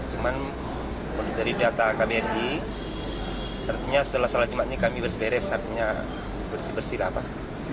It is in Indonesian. cuman dari data kbri artinya setelah selanjutnya kami bersederes artinya bersih bersih lah pak